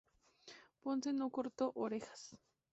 Ponce no cortó orejas.